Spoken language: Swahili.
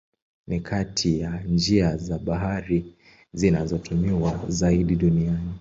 Ni kati ya njia za bahari zinazotumiwa zaidi duniani.